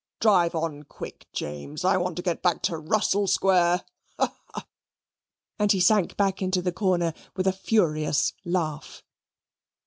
Drive on quick, James: I want to get back to Russell Square ha, ha!" and he sank back into the corner with a furious laugh.